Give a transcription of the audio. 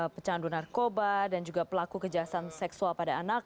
pecandu narkoba dan juga pelaku kejahatan seksual pada anak